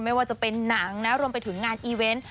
ไม่ว่าจะเป็นหนังนะรวมไปถึงงานอีเวนต์